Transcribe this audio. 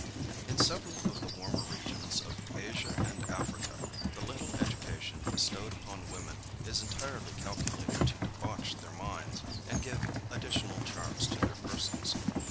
In several of the warmer regions of Asia and Africa, the little education bestowed upon women, is entirely calculated to debauch their minds and give additional charms to their persons.